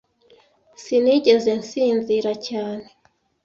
Sinigeze nsinzira cyane.